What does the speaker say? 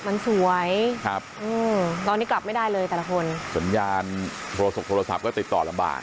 มันสวยครับอืมตอนนี้กลับไม่ได้เลยแต่ละคนสัญญาณโทรศัพท์ก็ติดต่อลำบาก